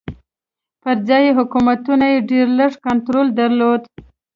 پر ځايي حکومتونو یې ډېر لږ کنټرول درلود.